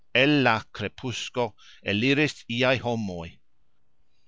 El la krepusko eliris iaj homoj.